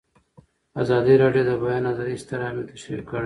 ازادي راډیو د د بیان آزادي ستر اهميت تشریح کړی.